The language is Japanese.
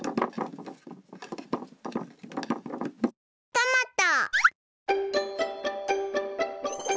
トマト。